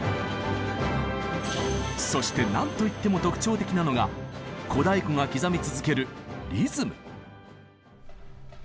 そして何といっても特徴的なのが小太鼓が刻み続ける「リズム」。